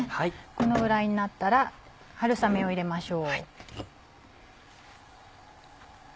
このぐらいになったら春雨を入れましょう。